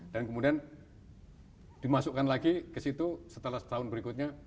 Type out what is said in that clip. dan kemudian dimasukkan lagi ke situ setelah setahun berikutnya